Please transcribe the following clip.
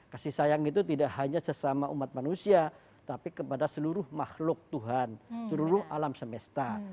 kasih sayang itu tidak hanya sesama umat manusia tapi kepada seluruh makhluk tuhan seluruh alam semesta